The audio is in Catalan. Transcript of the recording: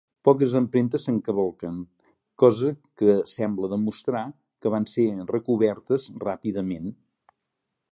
Poques empremtes s'encavalquen, cosa que sembla demostrar que van ser recobertes ràpidament.